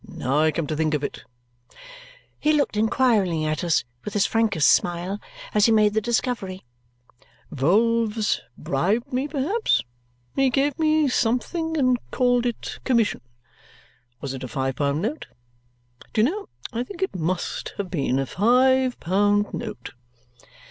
Now I come to think of it," he looked inquiringly at us with his frankest smile as he made the discovery, "Vholes bribed me, perhaps? He gave me something and called it commission. Was it a five pound note? Do you know, I think it MUST have been a five pound note!"